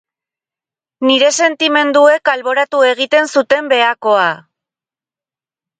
Nire sentimenduek alboratu egiten zuten behakoa.